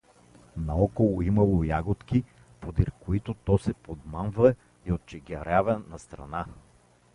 Наоколо имало ягодки, подир които то се помамва и отчегарява настрана.